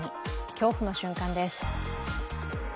恐怖の瞬間です。